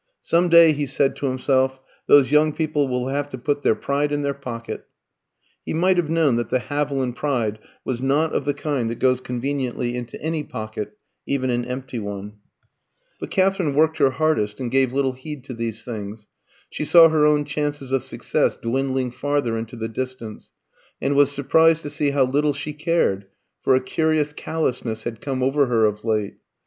"Some day," he said to himself, "those young people will have to put their pride in their pocket." He might have known that the Haviland pride was not of the kind that goes conveniently into any pocket, even an empty one. But Katherine worked her hardest, and gave little heed to these things. She saw her own chances of success dwindling farther into the distance, and was surprised to see how little she cared, for a curious callousness had come over her of late.